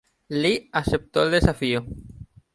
Lee aceptó el desafío.